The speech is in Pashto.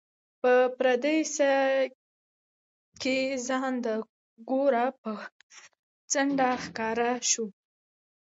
په پردېسۍ کې ځان د ګور په څنډه ښکاره شو.